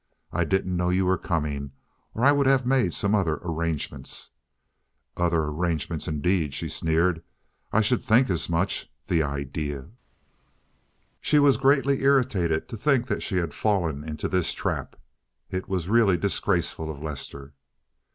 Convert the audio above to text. I didn't know you were coming, or I would have made other arrangements." "Other arrangements, indeed," she sneered. "I should think as much. The idea!" She was greatly irritated to think that she had fallen into this trap; it was really disgraceful of Lester.